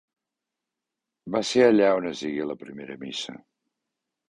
Va ser allà on es digué la primera missa.